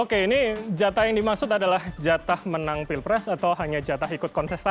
oke ini jatah yang dimaksud adalah jatah menang pilpres atau hanya jatah ikut kontestasi